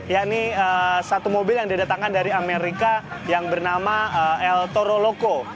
yakni satu mobil yang didatangkan dari amerika yang bernama el toroloko